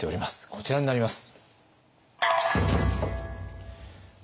こちらになります。